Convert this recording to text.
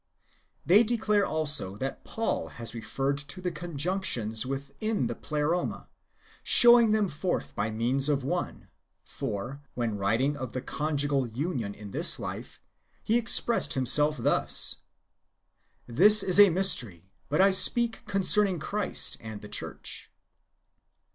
"^ They declare also that Paul has referred to the conjunctions within the Pleroma, showing them forth by means of one ; for, when writing of the conjugal union in this life, he expressed himself thus :" This is a great mystery, but I speak concerning Christ and the church."